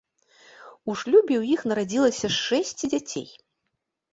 У шлюбе ў іх нарадзілася шэсць дзяцей.